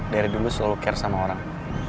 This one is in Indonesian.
dari dulu selalu care sama orang